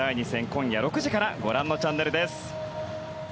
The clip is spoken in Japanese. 今夜６時からご覧のチャンネルです。